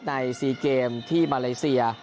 ๔เกมที่มาเลเซีย